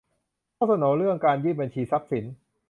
ข้อเสนอเรื่องการยื่นบัญชีทรัพย์สิน